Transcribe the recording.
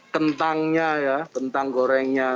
kentangnya ya kentang gorengnya